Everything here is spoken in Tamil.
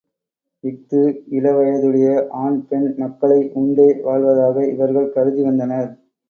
இஃது இளவயதுடைய ஆண் பெண் மக்களை உண்டே வாழ்வதாக இவர்கள் கருதிவந்தனர்.